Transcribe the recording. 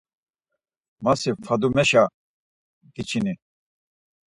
Ma si Fadumeşa giçini.